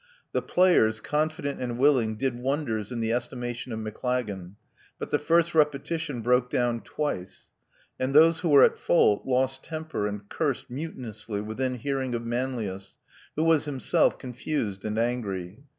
The players, confident and willing, did wonders in fthe estimation of Maclagan ; but the first repetition broke down twice ; and those who were at f ^ult lost temper and cursed mutinously within hearing of Manlius, who was himself confused and angry.